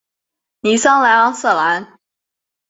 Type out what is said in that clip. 尼桑莱昂瑟兰。